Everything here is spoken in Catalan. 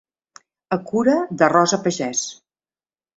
A cura de Rosa Pagès.